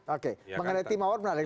oke mengenai tim mawar menarik